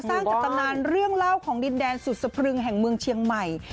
สร้างกับตำนานเรื่องเล่าของดินแดนสุดสะพรึงแห่งเมืองเชียงใหม่